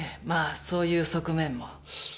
まあそういう側面も。